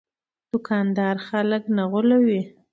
دوکاندار خلک نه غولوي.